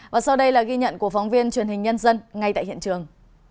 và sau đây là ghi nhận của phóng viên truyền hình nhân dân ngay tại hiện trường